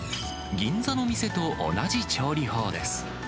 銀座の店と同じ調理法です。